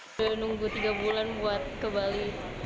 pas dibuka langsung bukti ke jalan ke bali